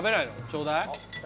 ちょうだい。